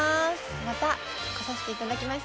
またこさせていただきました。